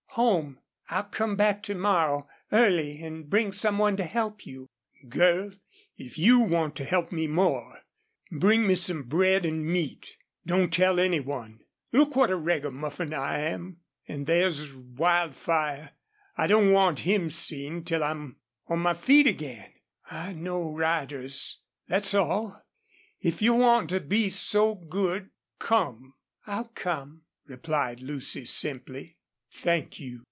"Home. I'll come back to morrow, early, and bring some one to help you " "Girl, if YOU want to help me more bring me some bread an' meat. Don't tell any one. Look what a ragamuffin I am.... An' there's Wildfire. I don't want him seen till I'm on my feet again. I know riders.... That's all. If you want to be so good come." "I'll come," replied Lucy, simply. "Thank you.